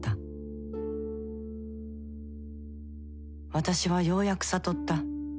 私はようやく悟った。